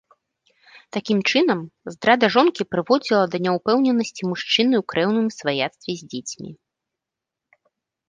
Такім чынам, здрада жонкі прыводзіла да няўпэўненасці мужчыны ў крэўным сваяцтве з дзецьмі.